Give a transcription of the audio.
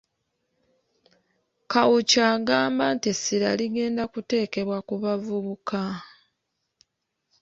Kawuki agamba nti essira ligenda kuteekebwa ku bavubuka .